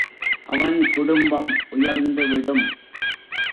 அவன் குடும்பம் உயர்ந்துவிடும்.